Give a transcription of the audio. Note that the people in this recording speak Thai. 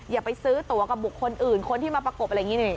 อย่าไปซื้อตัวกับบุคคลอื่นคนที่มาประกบอะไรอย่างนี้นี่